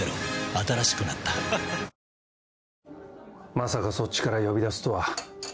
新しくなったまさかそっちから呼び出すとは。